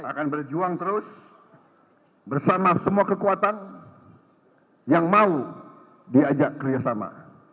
akan berjuang terus bersama semua kekuatan yang mau diajak kerjasama